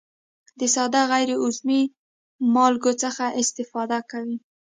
د ساده غیر عضوي مالګو څخه استفاده کوي.